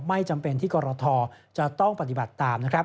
ไม่จำเป็นที่กรทจะต้องปฏิบัติตามนะครับ